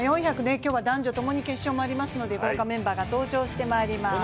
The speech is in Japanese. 今日は男女ともに決勝がありますので豪華メンバーが登場してまいります。